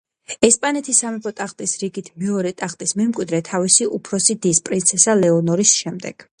ესპანეთის სამეფო ტახტის რიგით მეორე ტახტის მემკვიდრე თავისი უფროსი დის, პრინცესა ლეონორის შემდეგ.